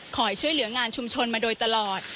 ช่วยเหลืองานชุมชนมาโดยตลอด